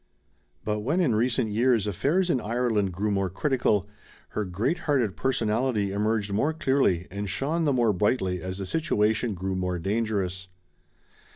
But when, in recent years, affairs in Ireland grew more critical, her great hearted personality emerged more clearly and shone the more brightly as the situation grew more dangerous.